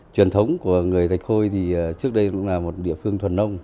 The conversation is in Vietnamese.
truyền thống của người thạch khôi thì trước đây cũng là một địa phương thuần nông